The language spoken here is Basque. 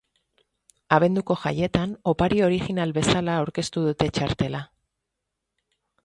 Abenduko jaietan opari oirijinal bezala aurkeztu dute txartela.